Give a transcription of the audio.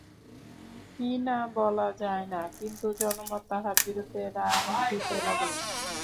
কিনা বলা যায় না, কিন্তু জনমত তাঁহার বিরুদ্ধে রায দিতে লাগিল।